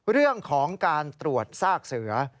เรื่องของการตรวจซากเสือ